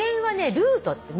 ルートって道。